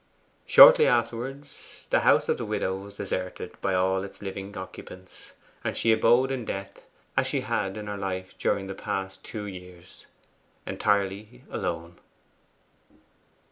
Shortly afterwards the house of the widow was deserted by all its living occupants, and she abode in death, as she had in her life during the past two years, entirely alone.